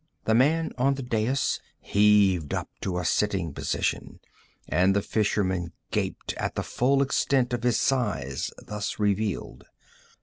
The man on the dais heaved up to a sitting position, and the fisherman gaped at the full extent of his size, thus revealed.